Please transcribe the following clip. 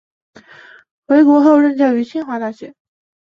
回国后任教于清华大学。